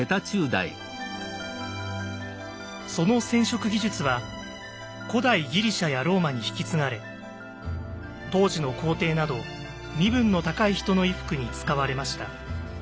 その染色技術は古代ギリシャやローマに引き継がれ当時の皇帝など身分の高い人の衣服に使われました。